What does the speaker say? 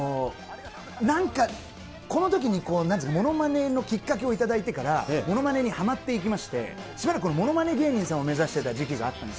なんかこのときに、ものまねのきっかけを頂いてから、ものまねにはまっていきまして、しばらくものまね芸人さんを目指してた時期があったんです。